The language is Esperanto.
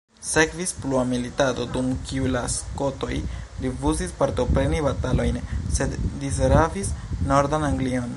Sekvis plua militado, dum kiu la skotoj rifuzis partopreni batalojn, sed disrabis nordan Anglion.